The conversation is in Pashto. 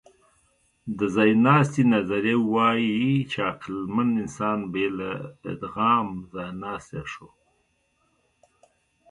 د ځایناستي نظریه وايي، چې عقلمن انسان بې له ادغام ځایناستی شو.